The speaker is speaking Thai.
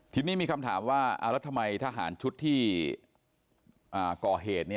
ทีนี้มีคำถามว่าแล้วทำไมทหารชุดที่ก่อเหตุ